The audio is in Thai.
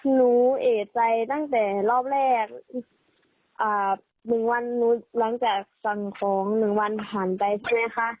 หนูเอกใจตั้งแต่รอบแรก๑วันหนูหลังจากสั่งของ๑วันผ่านไปใช่ไหมคะ